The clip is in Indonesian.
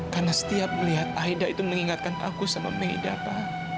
karena setiap melihat aida itu mengingatkan aku sama meda pak